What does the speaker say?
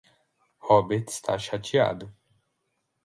Robert está chateado.